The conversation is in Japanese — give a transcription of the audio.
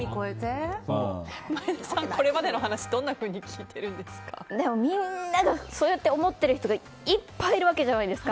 前田さん、これまでの話でもみんなそうやって思っている人がいっぱいいるわけじゃないですか。